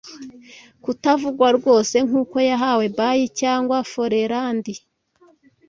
kutavugwa rwose Nkuko yahawe bayi cyangwa forelandi